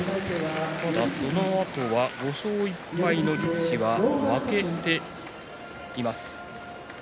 ただ、そのあとは５勝１敗の力士は負けています。